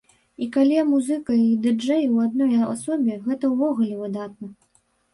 А калі музыка і ды-джэй ў адной асобе, гэта ўвогуле выдатна.